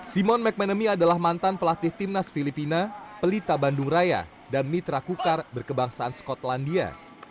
simon mcmanamy adalah mantan pelatih timnas filipina pelita bandung raya dan mitra kukar berkebangsaan skotlandia